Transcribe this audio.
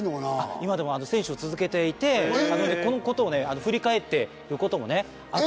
今でも選手を続けていてこのことを振り返ってることもあったんですけども。